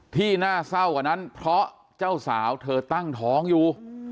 ที่น่าเศร้ากว่านั้นเพราะเจ้าสาวเธอตั้งท้องอยู่